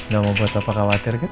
gak mau buat apa kawatir gitu